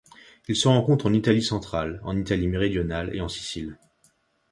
Il se rencontre en Italie centrale, en Italie méridionale et en Sicile.